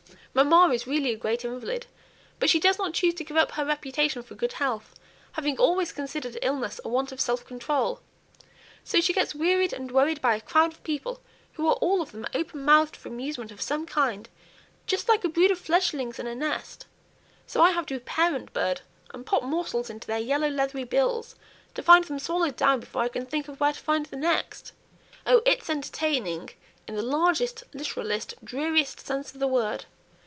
Mamma is really a great invalid, but she does not choose to give up her reputation for good health, having always considered illness a want of self control. So she gets wearied and worried by a crowd of people who are all of them open mouthed for amusement of some kind; just like a brood of fledglings in a nest; so I have to be parent bird, and pop morsels into their yellow leathery bills, to find them swallowed down before I can think of where to find the next. Oh, it's 'entertaining' in the largest, literalist, dreariest sense of the word.